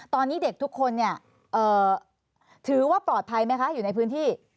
ตอนนี้เด็กทุกคนเนี่ยถือว่าปลอดภัยไหมคะอยู่ในพื้นที่